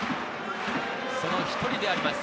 その１人であります